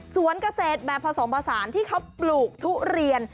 สวนเกษตรแบบผสมผสานที่เขาปลูกทุเรียน